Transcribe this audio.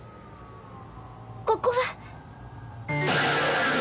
ここは？